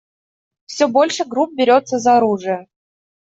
Все больше групп берется за оружие.